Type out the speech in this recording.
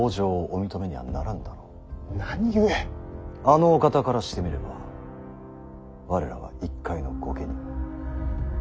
あのお方からしてみれば我らは一介の御家人。